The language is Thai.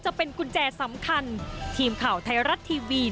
จะเป็นกุญแจสำคัญทีมข่าวไทยรัฐทีวี